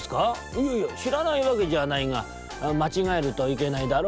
「いやいやしらないわけじゃないがまちがえるといけないだろ。